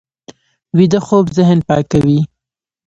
ویده خوب ذهن پاکوي